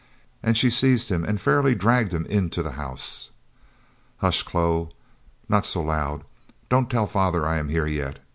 And she seized him and fairly dragged him into the house. "Hush, Chloe, not so loud. Don't tell father I am here yet.